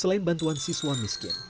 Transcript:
selain bantuan siswa miskin